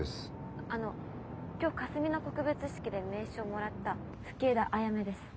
あの今日かすみの告別式で名刺をもらった吹枝あやめです。